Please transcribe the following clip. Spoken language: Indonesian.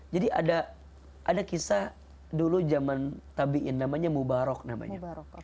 ada kisah dulu zaman tabiin namanya mubarok namanya